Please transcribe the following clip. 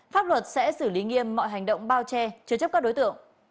pháp luật sẽ xử lý nghiêm mọi hành động bao che chứa chấp các đối tượng